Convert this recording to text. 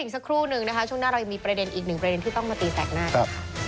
สัดหน้า